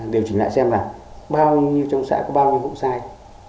điều chỉnh lại xem là bao nhiêu trong xã có bao nhiêu vụ sai